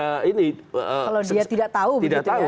kalau dia tidak tahu